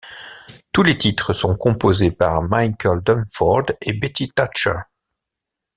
Tous les titres sont composés par Michael Dunford et Betty Thatcher.